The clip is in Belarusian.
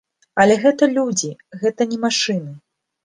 Але гэта людзі, гэта не машыны.